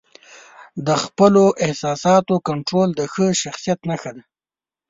د خپلو احساساتو کنټرول د ښه شخصیت نښه ده.